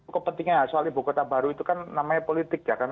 kepentingan soal ibu kota baru itu kan namanya politik ya kan